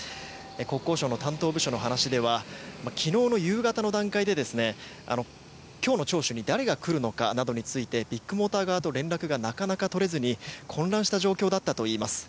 国交省の担当部署の話では昨日の夕方の段階で今日の聴取に誰が来るのかなどについてビッグモーター側と連絡がなかなか取れずに混乱した状況だったといいます。